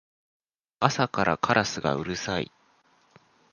朝からカラスがうるさい